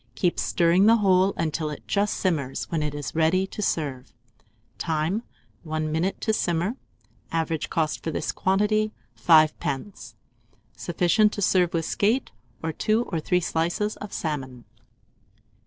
Keep stirring the whole until it just simmers, when it is ready to serve. Time. 1 minute to simmer. Average cost for this quantity, 5d. Sufficient to serve with a skate, or 2 or 3 slices of salmon.